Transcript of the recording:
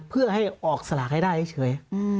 เพื่อให้ออกสลากให้ได้เฉย